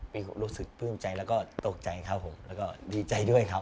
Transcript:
รู้สึกปลื้มใจแล้วก็ตกใจครับผมแล้วก็ดีใจด้วยครับ